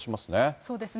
そうですね。